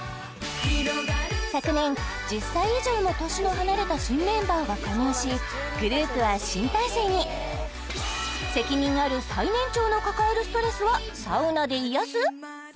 昨年１０歳以上も年の離れた新メンバーが加入しグループは新体制に責任ある最年長の抱えるストレスはサウナで癒やす！？